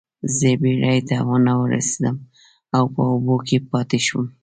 زه بیړۍ ته ونه رسیدم او په اوبو کې پاتې شوم.